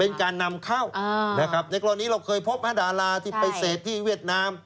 เป็นการนำเข้านะครับในกรณีเราเคยพบดาราที่ไปเสพที่เวียดนาม